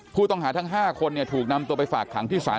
ผู้ต้องหาทั้ง๕คนถูกนำตัวไปฝากขังที่ศาล